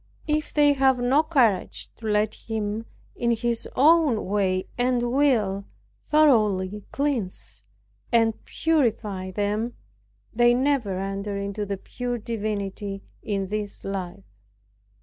If they have not courage to let Him, in His own way and will, thoroughly cleanse and purify them, they never enter into the pure divinity in this life.